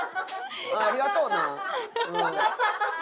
ありがとうなうん。